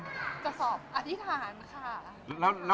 จะสอบอธิษฐานค่ะ